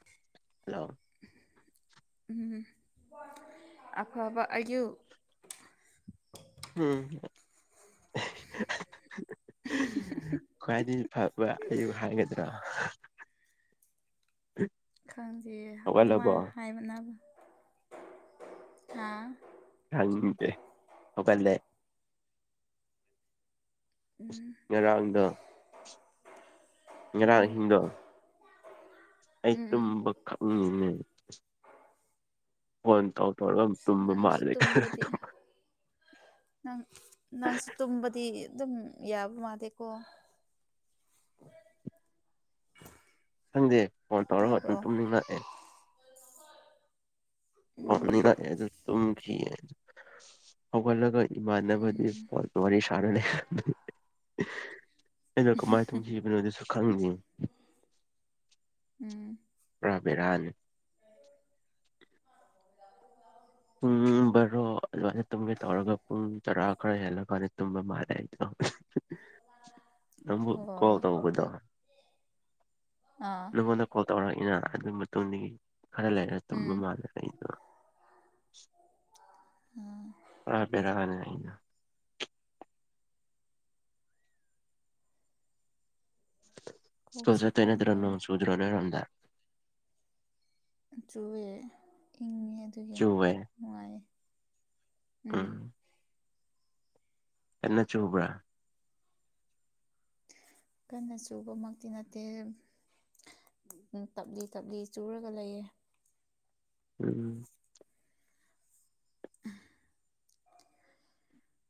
[inaudible] hello ꯎꯝ ꯑꯐꯕ ꯑꯌꯨꯛ ꯎꯝ ꯈ꯭ꯋꯥꯏꯗꯒꯤ ꯐ ꯕ ꯑꯌꯨꯛ ꯍꯥꯏꯒꯗ꯭ꯔꯣ ꯈꯪꯗꯦ ꯑꯗꯨꯃꯥꯏ ꯍꯥꯏꯕꯅꯕ ꯍꯥ ꯈꯪꯗꯦ ꯍꯧꯒꯠꯂꯦ ꯉꯔꯥꯡꯗꯣ ꯉꯔꯥꯡ ꯑꯍꯤꯡꯗꯣ ꯑꯩ ꯎꯝ ꯇꯨꯝꯕ ꯈꯛꯉꯤꯅꯦ ꯐꯣꯟ ꯇꯧꯊꯣꯔꯝ ꯇꯨꯝꯕ ꯅꯪꯁꯨ ꯃꯥꯜꯂꯦ ꯇꯨꯝꯕꯗꯤ ꯅꯪ ꯅꯪꯁꯨ ꯇꯨꯝꯕꯗꯤ ꯑꯗꯨꯝ ꯌꯥꯕ ꯃꯥꯂꯦꯀꯣ ꯈꯪꯗꯦ ꯐꯣꯟ ꯇꯧꯔꯒ ꯗꯨꯝ ꯇꯥꯕ꯭ꯔꯣ ꯇꯨꯝꯅꯤꯡꯉꯛꯑꯦ ꯎꯝ ꯇꯨꯝꯅꯤꯡꯉꯛꯑꯦ ꯑꯗꯨꯝ ꯇꯨꯝꯈꯤꯌꯦ ꯍꯧꯒꯠꯂꯒ ꯏꯃꯥꯟꯅꯕꯗꯤ ꯐꯣꯟ ꯋꯥꯔꯤ ꯁꯥꯔ ꯂꯩ ꯑꯩꯅ ꯀꯃꯥꯏ ꯇꯨꯝꯈꯤꯕꯅꯣ ꯑꯗꯨꯁꯨ ꯈꯪꯉꯤꯅꯤ ꯎꯝ ꯄꯔꯥ ꯕꯦꯔꯥꯅꯤ ꯄꯨꯡ ꯕꯥꯔꯣ ꯑꯗꯨꯃꯥꯏꯅ ꯇꯨꯝꯒꯦ ꯇꯧꯔꯒ ꯄꯨꯡ ꯇꯔꯥ ꯈꯔ ꯍꯦꯜꯂꯀꯥꯟꯗ ꯇꯨꯝꯕ ꯃꯥꯜꯂꯦ ꯑꯩꯗꯣ ꯅꯪꯕꯨ ꯑꯣ ꯀꯣꯜ ꯇꯧꯕꯗꯣ ꯑꯥ ꯅꯪꯉꯣꯟꯗ ꯀꯣꯜ ꯇꯧꯔꯛꯏꯅ ꯑꯗꯨ ꯃꯇꯨꯡꯗꯒꯤ ꯈꯔ ꯂꯩꯔ ꯎꯝ ꯇꯨꯝꯕ ꯃꯥꯜꯂꯦ ꯑꯩꯗꯣ ꯑꯥ ꯄꯨꯔꯥ ꯕꯦꯔꯥꯅꯦ ꯑꯩꯗꯣ ꯀꯣꯛ ꯁ꯭ꯀꯨꯜ ꯆꯠꯇꯣꯏ ꯆꯤꯛꯄ ꯅꯠꯇ꯭ꯔꯣ ꯂꯣꯏꯔꯦ ꯅꯣꯡ ꯆꯨꯗ꯭ꯔꯣ ꯅꯣꯏ ꯔꯣꯝꯗ ꯆꯨꯋꯦ ꯏꯪꯉꯦ ꯑꯗꯨꯒꯤ ꯆꯨꯋꯦ ꯅꯨꯡꯉꯥꯏꯌꯦ ꯎꯝ ꯀꯟꯅ ꯆꯨꯕ꯭ꯔꯥ ꯀꯟꯅ ꯆꯨꯕꯃꯛꯇꯤ ꯅꯠꯇꯦ ꯇꯞꯂꯤ ꯇꯞꯂꯤ ꯆꯨꯔꯒ ꯂꯩꯌꯦ ꯎꯝ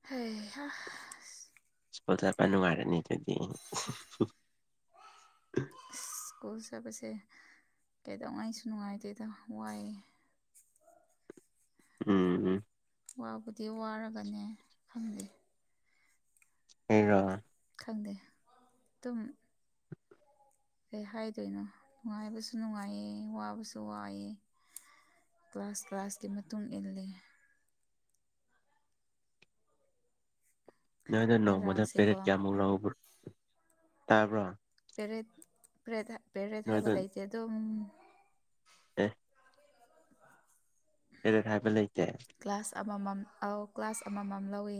ꯍꯩꯍꯥ ꯁ꯭ꯀꯨꯜ ꯆꯠꯄ ꯅꯨꯉꯥꯏꯔꯅꯤ ꯑꯗꯨꯗꯤ ꯁ꯭ꯀꯨꯜ ꯆꯠꯄꯁꯦ ꯀꯩꯗꯧꯉꯩꯁꯨ ꯅꯨꯡꯉꯥꯏꯇꯦꯗ ꯋꯥꯏꯌꯦ ꯎꯝ ꯎꯝ ꯋꯥꯕꯨꯗꯤ ꯋꯥꯔꯒꯅꯦ ꯈꯪꯗꯦ ꯑꯩꯔꯣ ꯈꯪꯗꯦ ꯇꯨꯝ ꯀꯩ ꯍꯥꯏꯗꯣꯏꯅꯣ ꯅꯨꯡꯉꯥꯏꯕꯁꯨ ꯅꯨꯡꯉꯥꯏꯌꯦ ꯋꯥꯕꯁꯨ ꯋꯥꯌꯦ ꯀ꯭ꯂꯥꯁ ꯀ꯭ꯂꯥꯁꯀꯤ ꯃꯇꯨꯡ ꯏꯜꯂꯦ ꯅꯣꯏꯅ ꯅꯣꯡꯃꯥꯗ ꯉꯔꯥꯡꯁꯦꯀꯣ ꯄꯦꯔꯠ ꯀꯌꯥꯃꯨꯛ ꯂꯧꯕ꯭ꯔꯣꯇꯥꯕ꯭ꯔꯣ ꯄꯦꯔꯠ ꯄꯦꯔꯠ ꯍꯥ ꯄꯦꯔꯠ ꯅꯣꯏꯗ ꯍꯥꯏꯕ ꯂꯩꯇꯦ ꯑꯗꯨꯝ ꯑꯦ ꯄꯦꯔꯠ ꯍꯥꯏꯕ ꯂꯩꯇꯦ ꯀ꯭ꯂꯥꯁ ꯑꯃꯥꯃꯝ ꯑꯧ ꯀ꯭ꯂꯥꯁ ꯑꯃꯥꯃꯝ ꯂꯧꯋꯦ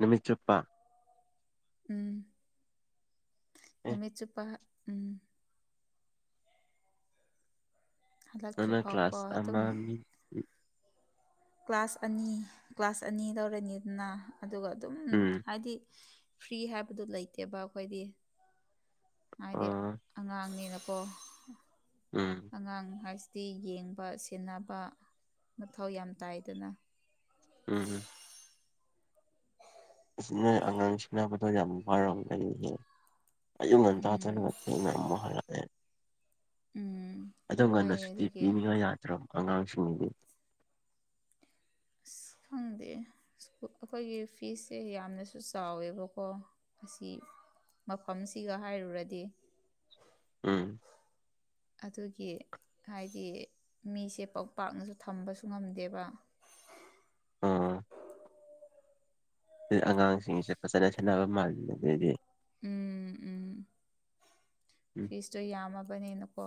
ꯅꯨꯃꯤꯠ ꯆꯨꯞꯄꯥ ꯎꯝ ꯑꯦ ꯅꯨꯃꯤꯠ ꯆꯨꯞꯄ ꯎꯝ ꯅꯪꯅ ꯍꯜꯂꯛꯇ꯭ꯔꯤꯐꯥꯎꯀꯣ ꯀ꯭ꯂꯥꯁ ꯑꯃ ꯑꯗꯨꯝ ꯃꯤ ꯀ꯭ꯂꯥꯁ ꯑꯅꯤ ꯀ꯭ꯂꯥꯁ ꯑꯅꯤ ꯂꯧꯔꯅꯤꯗꯅ ꯑꯗꯨꯒ ꯑꯗꯨꯝ ꯎꯝ ꯍꯥꯏꯗꯤ ꯐ꯭ꯔꯤ ꯍꯥꯏꯕꯗꯣ ꯂꯩꯇꯦꯕ ꯑꯩꯈꯣꯏꯗꯤ ꯍꯥꯏꯗꯤ ꯑꯣ ꯑꯉꯥꯡꯅꯦꯅ ꯀꯣ ꯎꯝ ꯑꯉꯥꯡ ꯍꯥꯏꯁꯤꯗꯤ ꯌꯦꯡꯕ ꯁꯦꯟꯅꯕ ꯃꯊꯧ ꯌꯥꯝ ꯇꯥꯏꯗꯅ ꯎꯝ ꯅꯣꯏ ꯑꯉꯥꯡ ꯁꯦꯟꯅꯕꯗꯣ ꯌꯥꯝ ꯋꯥꯔꯝꯒꯅꯤ ꯍꯦ ꯑꯌꯨꯛ ꯉꯟꯇꯥ ꯎꯝ ꯆꯠꯂꯒ ꯊꯦꯡꯅ ꯑꯃꯨꯛ ꯍꯜꯂꯛꯑꯦ ꯎꯝ ꯑꯗꯣ ꯉꯟꯅ ꯋꯥꯏꯑꯦ ꯁꯨꯇꯤ ꯑꯗꯨꯒꯤ ꯄꯤꯅꯤꯉꯥꯏ ꯌꯥꯗ꯭ꯔꯣ ꯑꯉꯥꯡꯁꯤꯡꯒꯤꯗꯤ ꯑꯁ ꯈꯪꯗꯦ ꯑꯩꯈꯣꯏꯒꯤ ꯐꯤꯁꯁꯦ ꯌꯥꯝꯅꯁꯨ ꯆꯥꯎꯋꯦꯕꯀꯣ ꯑꯁꯤ ꯃꯐꯝꯁꯤꯒ ꯍꯥꯏꯔꯨꯔꯗꯤ ꯎꯝ ꯑꯗꯨꯒꯤ ꯍꯥꯏꯗꯤ ꯃꯤꯁꯦ ꯄꯥꯛ ꯄꯥꯛꯅꯖꯨ ꯊꯝꯕꯁꯨ ꯉꯝꯗꯦꯕ ꯑꯥ ꯑꯗꯨ ꯑꯉꯥꯡꯁꯤꯡꯁꯦ ꯐꯖꯅ ꯁꯦꯟꯅꯕ ꯃꯥꯜꯂꯤꯗꯨꯗꯤ ꯎꯝ ꯎꯝ ꯎꯝ ꯐꯤꯁꯇꯣ ꯌꯥꯝꯃꯕꯅꯤꯅꯀꯣ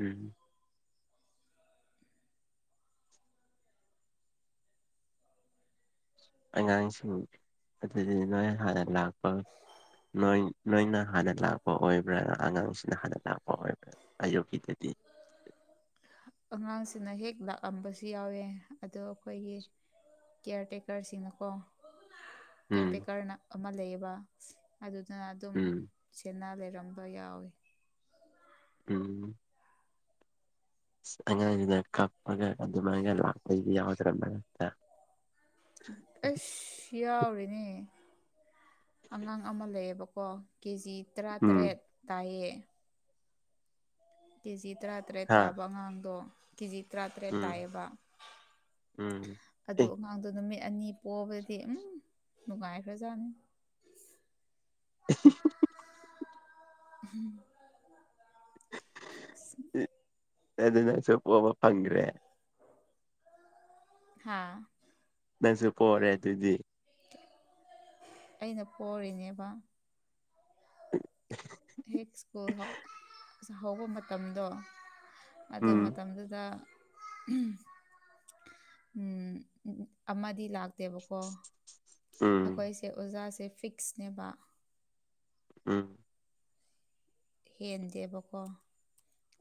ꯎꯝ ꯑꯉꯥꯡꯁꯤꯡ ꯑꯗꯨꯗꯤ ꯅꯣꯏ ꯍꯥꯟꯅ ꯂꯥꯛꯄ ꯅꯣꯏ ꯅꯣꯏꯅ ꯍꯥꯟꯅ ꯂꯥꯛꯄ ꯑꯣꯏꯕ꯭ꯔꯥ ꯑꯉꯥꯡꯁꯤꯅ ꯍꯥꯟꯅ ꯂꯥꯛꯄ ꯑꯣꯏꯕ꯭ꯔꯥ ꯑꯌꯨꯛꯀꯤꯗꯗꯤ ꯑꯉꯥꯡꯁꯤꯡꯅ ꯍꯦꯛ ꯂꯥꯛꯑꯝꯕꯁꯨ ꯌꯥꯎꯋꯦ ꯑꯗꯣ ꯑꯩꯈꯣꯏꯒꯤ ꯀꯤꯌꯔ ꯇꯦꯛꯀꯔꯁꯤꯡꯅꯀꯣ ꯎꯝ ꯀꯤꯌꯔ ꯇꯦꯛꯀꯔꯅ ꯑꯃ ꯂꯩꯌꯦꯕ ꯑꯗꯨꯗꯨꯅ ꯑꯗꯨꯝ ꯎꯝ ꯁꯦꯅꯥ ꯂꯩꯔꯝꯕ ꯌꯥꯎꯋꯦ ꯎꯝ ꯑꯁ ꯑꯉꯥꯡꯖꯤꯅ ꯀꯥꯞꯄꯒ ꯑꯗꯨꯃꯥꯏꯒ ꯂꯥꯛꯄꯥꯗꯤ ꯌꯥꯎꯗ꯭ꯔ ꯃꯔꯛꯇ ꯑꯁ ꯌꯥꯎꯔꯤꯅꯦ ꯑꯉꯥꯡ ꯑꯃ ꯂꯩꯌꯦꯕꯀꯣ ꯀꯦꯖꯤ ꯎꯝ ꯇ꯭ꯔꯥꯇꯔꯦꯠ ꯇꯥꯏꯌꯦ ꯀꯦꯖꯤ ꯇꯔꯥꯇꯔꯦꯠ ꯍꯥ ꯇꯥꯕ ꯑꯉꯥꯡꯗꯣ ꯀꯦꯖꯤ ꯇꯔꯥꯇꯔꯦꯠ ꯎꯝ ꯇꯥꯏꯌꯦꯕ ꯎꯝ ꯑꯗꯨ ꯑꯦ ꯑꯉꯥꯡꯗꯣ ꯅꯨꯃꯤꯠ ꯑꯅꯤ ꯄꯣꯕꯗꯤ ꯎꯝ ꯅꯨꯡꯉꯥꯏꯒ꯭ꯔꯖꯥꯠꯅꯤ [unintelligible] [unintelligible] ꯑꯗꯨ ꯅꯪꯁꯨ ꯄꯣꯕ ꯐꯪꯒ꯭ꯔꯦ ꯍꯥꯥ ꯅꯪꯁꯨ ꯄꯣꯔꯦ ꯑꯗꯨꯗꯤ ꯑꯩꯅ ꯄꯣꯔꯤꯅꯦꯕ [inaudible] ꯍꯦꯛ ꯁ꯭ꯀꯨꯜ ꯍꯧ ꯑꯁ ꯍꯧꯕ ꯃꯇꯝꯗꯣ ꯑꯗꯨ ꯎꯝ ꯃꯇꯝꯗꯨꯗ ꯑꯍꯝ ꯎꯝ ꯑꯃꯗꯤ ꯂꯥꯛꯇꯦꯕꯀꯣ ꯎꯝ ꯑꯩꯈꯣꯏꯁꯦ ꯑꯣꯖꯥꯁꯦ ꯐꯤꯛꯁꯅꯦꯕ ꯑꯝ ꯍꯦꯟꯗꯦꯕꯀꯣ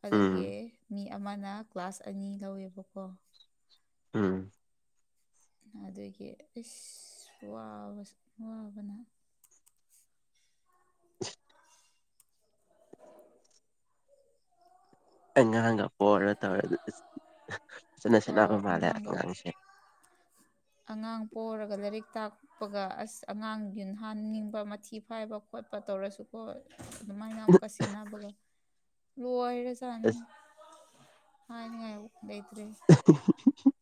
ꯑꯗꯨꯒꯤ ꯎꯝ ꯃꯤ ꯑꯃꯅ ꯀ꯭ꯂꯥꯁ ꯑꯅꯤ ꯂꯧꯋꯦꯕꯀꯣ ꯎꯝ ꯑꯗꯨꯒꯤ ꯏꯁ ꯋꯥꯕꯖ ꯋꯥꯕꯅ ꯑꯉꯥꯡꯒꯄꯣꯔ ꯇꯧꯔ ꯑꯗꯨ ꯐꯖꯟꯅ ꯑꯣ ꯁꯦꯟꯅꯕ ꯃꯥꯜꯂꯦ ꯑꯉꯥꯡꯒ ꯑꯉꯥꯡꯁꯦ ꯑꯉꯥꯡ ꯄꯣꯔꯒ ꯂꯥꯏꯔꯤꯛ ꯇꯥꯛ ꯎꯞꯄꯒ ꯑꯁ ꯑꯉꯥꯡ ꯌꯨꯟꯍꯟꯅꯤꯡꯕ ꯃꯊꯤ ꯐꯥꯏꯕ ꯈꯣꯠꯄ ꯇꯧꯔꯁꯨ ꯍꯣꯏ ꯑꯗꯨꯃꯥꯏꯅ ꯑꯃꯨꯛꯀ ꯁꯦꯟꯅꯕꯒ ꯂꯣꯏꯔꯖꯥꯠ ꯑꯁ ꯍꯥꯏꯅꯤꯡꯉꯥꯏꯂꯩꯇ꯭ꯔꯦ [unintelligible]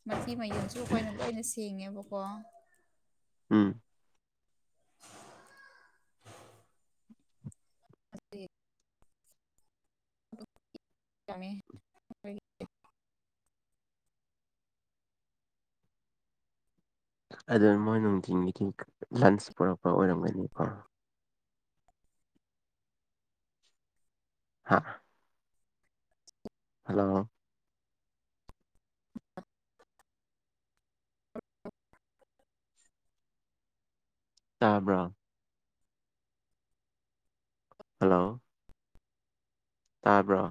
ꯃꯊꯤ ꯃꯌꯨꯡꯁꯨ ꯑꯩꯈꯣꯏꯅ ꯂꯣꯏꯅ ꯁꯦꯡꯉꯦꯕꯀꯣ ꯎꯝ [unintelligible] ꯑꯗꯨ ꯃꯣꯏ ꯅꯨꯡꯊꯤꯟꯒꯤꯗꯤ ꯂꯥꯟꯁ ꯄꯨꯔꯛꯄ ꯑꯣꯏꯔꯝꯒꯅꯤꯀꯣ ꯍꯥꯥ ꯍꯜꯂꯣ ꯇꯥꯕ꯭ꯔꯣ ꯍꯜꯂꯣ ꯇꯥꯕ꯭ꯔꯣ